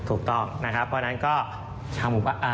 ถูกต้องนะครับเพราะฉะนั้นก็